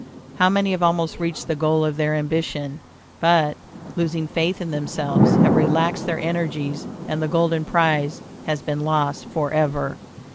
How many have almost reached the goal of their ambition, but, losing faith in themselves, have relaxed their energies, and the golden prize has been lost forever.